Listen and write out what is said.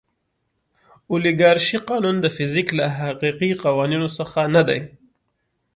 اولیګارشي قانون د فزیک له حقیقي قوانینو څخه نه دی.